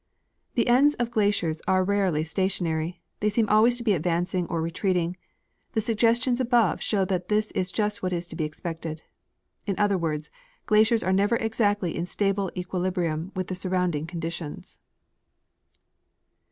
The ends of glaciers are rarely stationary ; they seem always to be advancing or retreating ; the suggestions above show that this is just what is to l^e expected. In other words, glaciers are never exactly in stable equilibrium with the surrounding con ditions.